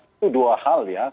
itu dua hal ya